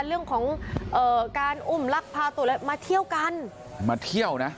เรื่องของการอุ้มลักพาตัวมาเที่ยวกันมาเที่ยวนะ